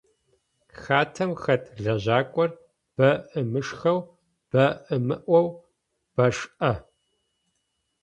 Хатэм хэт лэжьакӏор бэ ымышхэу, бэ ымыӏоу башӏэ.